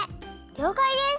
りょうかいです！